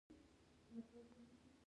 د ژبي سم کارول د پوهاوي لامل کیږي.